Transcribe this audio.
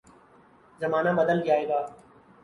زمانہ بدل جائے گا۔